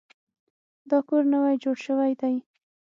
دا کور نوی جوړ شوی دی.